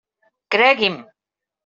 Cregui'm.